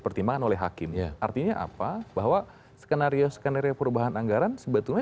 pertimbangan oleh hakim ya artinya apa bahwa skenario skenario perubahan anggaran sebetulnya